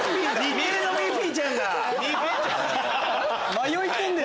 迷い込んでる！